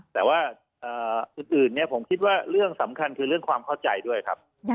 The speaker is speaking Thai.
แต่ว่าอื่นผมคิดว่าเรื่องสำคัญคือเรื่องความเข้าใจด้วยครับ